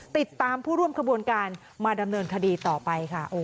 ติดตามผู้ร่วมขบวนการมาดำเนินคดีต่อไปค่ะ